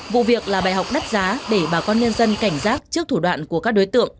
vụ việc là bài học đắt giá để bà con nhân dân cảnh giác trước thủ đoạn của các đối tượng